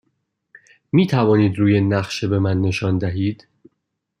می توانید روی نقشه به من نشان دهید؟